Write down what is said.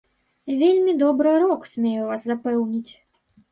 Вельмі добры рок, смею вас запэўніць.